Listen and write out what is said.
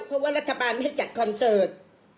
เพราะว่ารัฐบาลไม่จัดคอนเสิร์ต